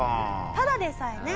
ただでさえね